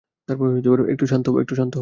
একটু শান্ত হও।